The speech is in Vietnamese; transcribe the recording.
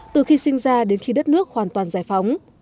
từ khi sinh ra đến khi đất nước hoàn toàn giải phóng